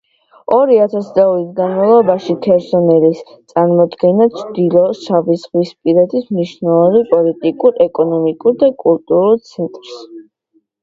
ორი ათასწლეულის განმავლობაში ქერსონესი წარმოადგენდა ჩრდილო შავიზღვისპირეთის მნიშვნელოვან პოლიტიკურ, ეკონომიკურ და კულტურულ ცენტრს.